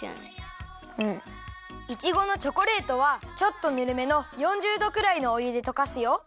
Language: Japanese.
イチゴのチョコレートはちょっとぬるめの４０どくらいのおゆでとかすよ。